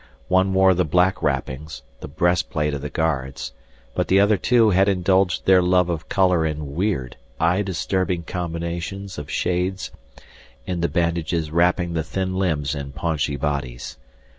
One wore the black wrappings, the breastplate of the guards, but the other two had indulged their love of color in weird, eye disturbing combinations of shades in the bandages wrapping the thin limbs and paunchy bodies.